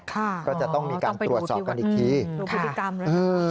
ก็จะต้องมีการตรวจสอบกันอีกทีอืมค่ะโรคพฤติกรรมแล้ว